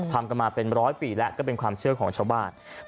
ทำกันมาเป็นร้อยปีแล้วก็เป็นความเชื่อของชาวบ้าน